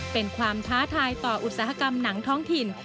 เป็นความท้าทายต่ออุตสาหกรรมหนังท้องถิ่น